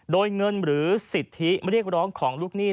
โดยเงินหรือสิทธิเรียกร้องของลูกหนี้